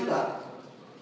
kenapa tidak tiga juta